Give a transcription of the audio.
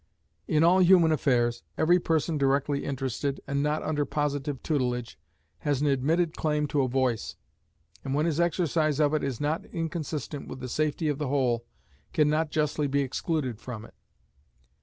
In all human affairs, every person directly interested, and not under positive tutelage, has an admitted claim to a voice, and when his exercise of it is not inconsistent with the safety of the whole, can not justly be excluded from it.